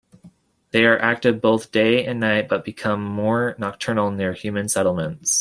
They are active both day and night, but become more nocturnal near human settlements.